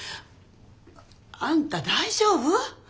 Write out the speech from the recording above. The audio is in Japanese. あんた大丈夫？